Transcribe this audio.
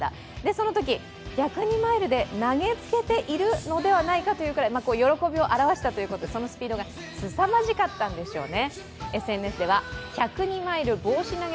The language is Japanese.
そのとき、１０２マイルで投げつけているのではないかというぐらい喜びを表したということで、そのスピードがすさまじかったんでしょうね。